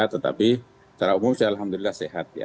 tetapi secara umum saya alhamdulillah sehat ya